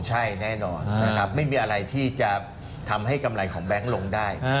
ใช่แน่นอนนะครับไม่มีอะไรที่จะทำให้กำไรของแบงค์ลงได้